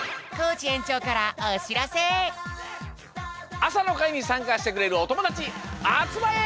あさのかいにさんかしてくれるおともだちあつまれ！